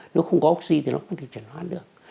nếu không có oxy thì nó không thể chuyển hóa được